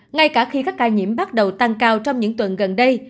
ngay cả khi các ca nhiễm bắt đầu tăng cao trong những tuần gần đây